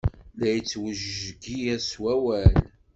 La ismejgir s wawal.